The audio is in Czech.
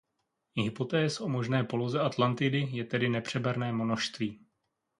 Hypotéz o možné poloze Atlantidy je tedy nepřeberné množství.